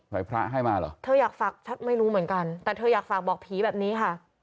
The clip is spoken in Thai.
พระให้มาเหรอเธออยากฝากฉันไม่รู้เหมือนกันแต่เธออยากฝากบอกผีแบบนี้ค่ะ